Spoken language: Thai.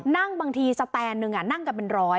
บางทีสแตนหนึ่งนั่งกันเป็นร้อย